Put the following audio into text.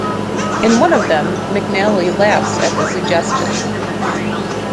In one of them, McNally laughs at the suggestion.